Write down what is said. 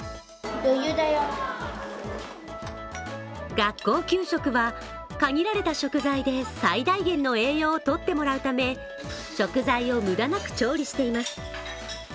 学校給食は限られた食材で最大限の栄養をとってもらうため、食材を無駄なく調理しています。